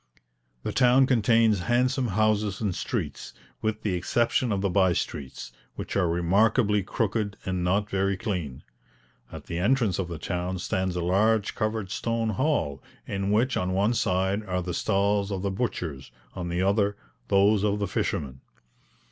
The town contains handsome houses and streets, with the exception of the bye streets, which are remarkably crooked and not very clean. At the entrance of the town stands a large covered stone hall, in which on one side are the stalls of the butchers; on the other, those of the fishermen.